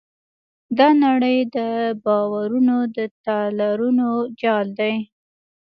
دا نړۍ د باورونو د تارونو جال دی.